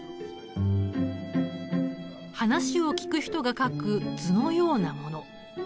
話を聞く人が書く図のようなもの。